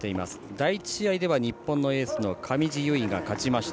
第１試合では日本のエースの上地結衣が勝ちました。